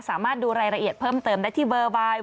สามารถดูรายละเอียดเพิ่มเติมได้ที่เบอร์บาย